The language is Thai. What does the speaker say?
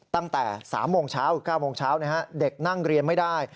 ตั้งแต่๓โมงเช้าถึง๙โมงเช้าเด็กนั่งเรียนไม่ได้